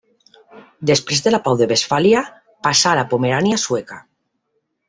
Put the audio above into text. Després de la Pau de Westfàlia passà a la Pomerània Sueca.